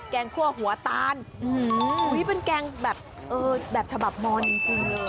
งคั่วหัวตาลเป็นแกงแบบเออแบบฉบับมอนจริงเลย